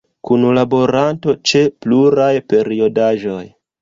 Kunlaboranto ĉe pluraj periodaĵoj.